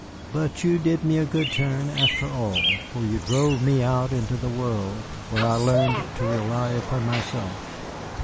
But you did me a good turn after all, for you drove me out into a world where I learned to rely upon myself.